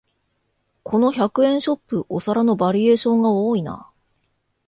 この百円ショップ、お皿のバリエーションが多いな